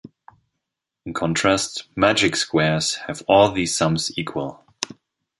In contrast, magic squares have all these sums equal.